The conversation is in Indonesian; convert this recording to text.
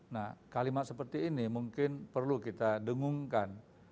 nah kalimat seperti ini mungkin perlu kita dengungkan